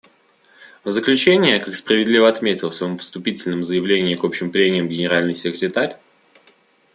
В заключение, как справедливо отметил в своем вступительном заявлении к общим прениям Генеральный секретарь,.